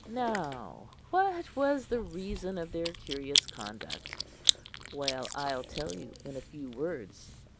Now what was the reason of their curious conduct? Well, I'll tell you in a few words.